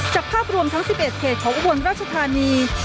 ภาพรวมทั้ง๑๑เขตของอุบลราชธานี